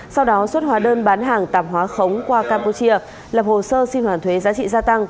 sau đó xuất hóa đơn bán hàng tạp hóa khống qua campuchia lập hồ sơ xin hoàn thuế giá trị gia tăng